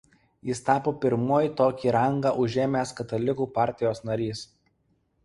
Jis tapo pirmuoju tokį rangą užėmęs Katalikų partijos narys.